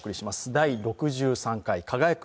「第６３回輝く！